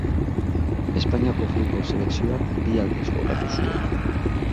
Espainiako futbol selekzioan bi aldiz jokatu zuen.